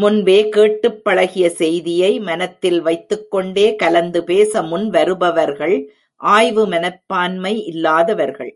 முன்பே கேட்டு பழகிய செய்தியை மனத்தில் வைத்துக் கொண்டே கலந்து பேச முன்வருபவர்கள் ஆய்வு மனப்பான்மை இல்லாதவர்கள்.